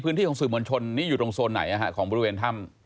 ของสื่อมวลชนนี่อยู่ตรงโซนไหนของบริเวณถ้ำ